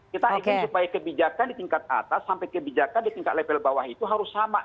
kita ingin supaya kebijakan di tingkat atas sampai kebijakan di tingkat level bawah itu harus sama